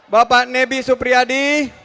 bapak nebi supriyadi